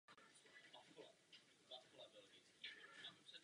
Doufám, že se budeme dále bavit a diskutovat.